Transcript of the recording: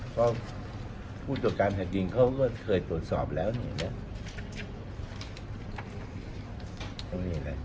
ก็ผู้ตรวจการทดถิ่งเขาคือเคยตรวจสอบแล้วเนี่ยนะ